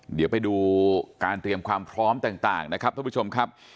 เดี๋ยวไปดูการเตรียมความพร้อมต่างนะครับท่านผู้ชมครับ